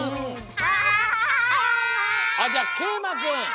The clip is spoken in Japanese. あっじゃあけいまくん。